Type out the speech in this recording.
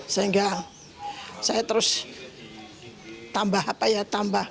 sehingga saya terus tambah apa ya tambah